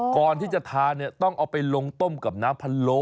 ก่อนที่จะทานเนี่ยต้องเอาไปลงต้มกับน้ำพะโล